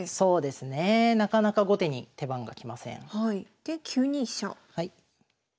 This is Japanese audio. で９二飛車。